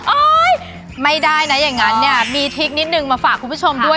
ไม่ได้นะอย่างนั้นเนี่ยมีทิคนิดนึงมาฝากคุณผู้ชมด้วย